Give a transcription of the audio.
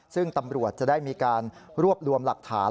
ซึ่งตำรวจจะได้มีการรวบรวมหลักฐาน